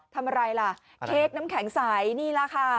ทำอะไรล่ะเค้กน้ำแข็งใสนี่แหละค่ะ